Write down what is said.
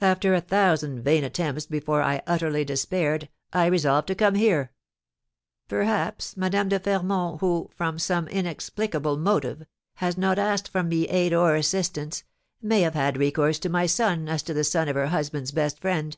After a thousand vain attempts before I utterly despaired, I resolved to come here. Perhaps Madame de Fermont, who, from some inexplicable motive, has not asked from me aid or assistance, may have had recourse to my son as to the son of her husband's best friend.